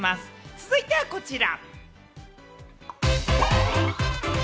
続いてはこちら。